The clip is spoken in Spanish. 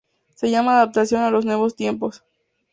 se llama adaptación a los nuevos tiempos